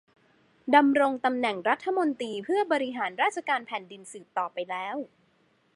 ดำรงตำแหน่งรัฐมนตรีเพื่อบริหารราชการแผ่นดินสืบต่อไปแล้ว